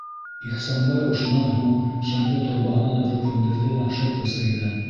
Ихсанбай ошонан һуң шәмде торбаһынан өрөп һүндерҙе лә шырпы сыйҙы.